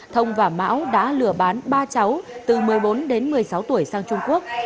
thông và mão đã lừa bán ba cháu từ một mươi bốn đến một mươi sáu tuổi sang trung quốc